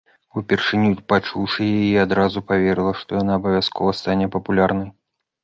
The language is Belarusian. Упершыню пачуўшы яе, я адразу паверыла, што яна абавязкова стане папулярнай.